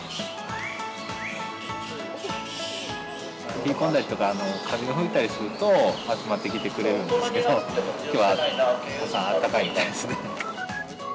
冷え込んだりとか、風が吹いたりすると集まってきてくれるんですけど、きょうはちょっとあったかいみたいですね。